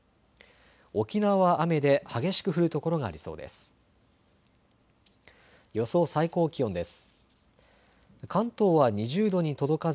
沖縄は雨で激しく降る所がありそうです。